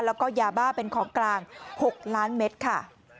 แล้วก็ยาบ้าเป็นของกลาง๖ล้านเมตรค่ะ